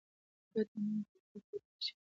که ګټه نه وي شرکت وده نشي کولی.